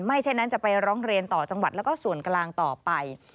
เช่นนั้นจะไปร้องเรียนต่อจังหวัดแล้วก็ส่วนกลางต่อไป